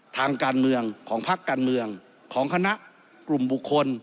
ทางการเมืองของพักการเมืองของคณะกลุ่มบุคคล